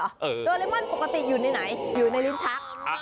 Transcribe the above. โดเรมอนปกติอยู่ในไหนอยู่ในลิ้นชัก